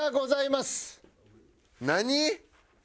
何？